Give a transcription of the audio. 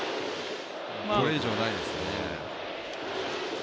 これ以上ないですね。